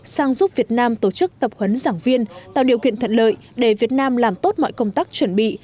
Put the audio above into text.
sang giúp việt nam tổ chức tập huấn giảng viên tạo điều kiện thuận lợi để việt nam làm tốt mọi công tác chuẩn bị